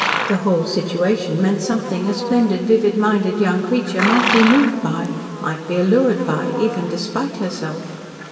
The whole situation meant something a splendid, vivid minded young creature might be moved by might be allured by, even despite herself.